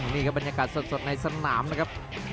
นี่ครับบรรยากาศสดในสนามนะครับ